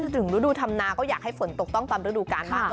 ถึงฤดูธรรมนาก็อยากให้ฝนตกต้องตาม